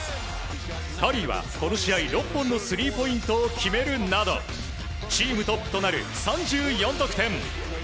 カリーはこの試合６本のスリーポイントを決めるなどチームトップとなる３４得点。